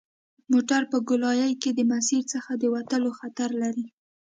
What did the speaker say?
موټر په ګولایي کې د مسیر څخه د وتلو خطر لري